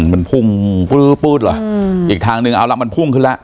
มันพุ่งปื๊ดปื๊ดเหรออีกทางนึงเอาละมันพุ่งขึ้นแล้ว